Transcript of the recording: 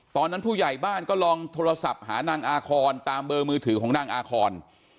ตอนนั้นผู้ใหญ่บ้านก็ลองโทรศัพท์หานางอาคอนตามเบอร์มือถือของนางอาคอน